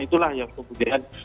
itulah yang kemudian